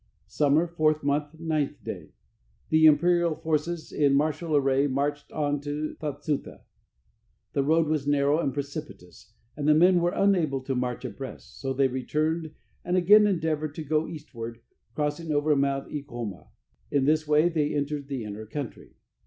Summer, 4th month, 9th day. The imperial forces in martial array marched on to Tatsuta. The road was narrow and precipitous, and the men were unable to march abreast, so they returned and again endeavored to go eastward, crossing over Mount Ikoma. In this way they entered the inner country.